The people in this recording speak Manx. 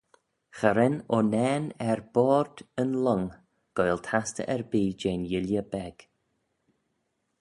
Cha ren unnane er boayrd yn lhong goaill tastey erbee jeh'n yuilley beg.